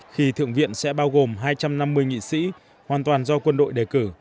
khi thượng viện sẽ bao gồm hai trăm năm mươi nghị sĩ hoàn toàn do quân đội đề cử